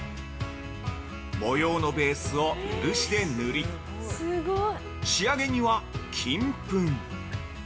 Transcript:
模様のベースを漆で塗り仕上げには金粉。